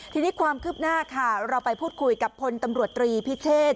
ทีนี้ความคืบหน้าค่ะเราไปพูดคุยกับพลตำรวจตรีพิเชษ